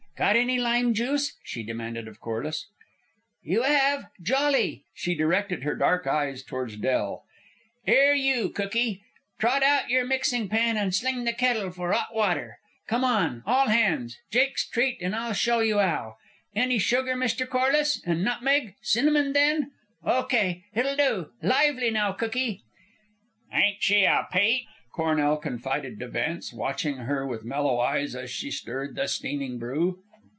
"Got any lime juice?" she demanded of Corliss. "You 'ave? Jolly!" She directed her dark eyes towards Del. "'Ere, you, cookie! Trot out your mixing pan and sling the kettle for 'ot water. Come on! All hands! Jake's treat, and I'll show you 'ow! Any sugar, Mr. Corliss? And nutmeg? Cinnamon, then? O.K. It'll do. Lively now, cookie!" "Ain't she a peach?" Cornell confided to Vance, watching her with mellow eyes as she stirred the steaming brew.